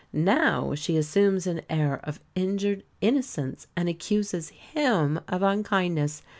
Now she assumes an air of injured innocence, and accuses him of unkindness!